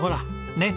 ねっ。